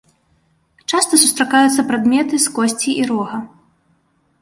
Часта сустракаюцца прадметы з косці і рога.